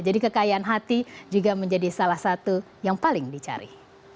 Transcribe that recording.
jadi kekayaan hati juga menjadi salah satu yang paling dicari